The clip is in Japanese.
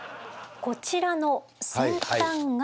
こちらの先端が爪。